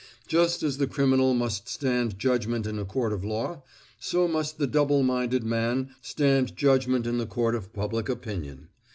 Just as the criminal must stand judgment in a court of law, so must the double minded man stand judgment in the court of public opinion.